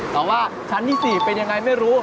แต่ว่าชั้นที่๔เป็นยังไงไม่รู้